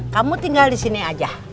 kamu tinggal di sini aja